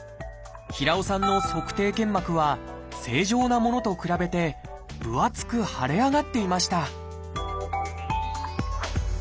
平尾さんの足底腱膜は正常なものと比べて分厚く腫れ上がっていました